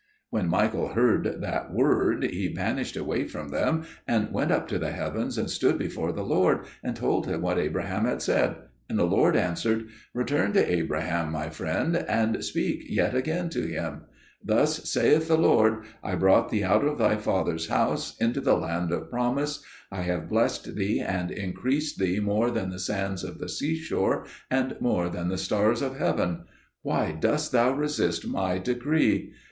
When Michael heard that word he vanished away from them and went up to the heavens and stood before the Lord, and told Him what Abraham had said; and the Lord answered, "Return to Abraham My friend and speak yet again to him, Thus saith the Lord: 'I brought thee out of thy father's house into the land of promise: I have blessed thee and increased thee more than the sands of the seashore and more than the stars of heaven. Why dost thou resist My decree?